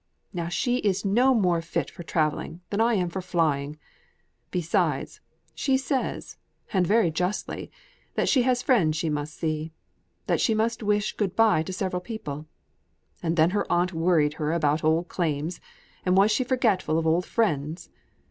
Now she is no more fit for travelling than I am for flying. Besides, she says, and very justly, that she has friends she must see that she must wish good bye to several people; and then her aunt worried her about old claims, and was she forgetful of old friends?